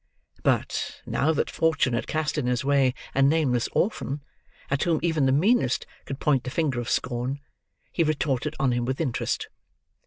But, now that fortune had cast in his way a nameless orphan, at whom even the meanest could point the finger of scorn, he retorted on him with interest.